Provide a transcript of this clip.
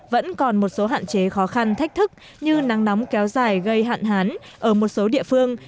vẫn còn một số hạn chế khó khăn thách thức như nắng nóng kéo dài gây hạn hán ở một số địa phương